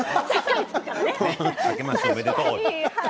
明けましておめでとう。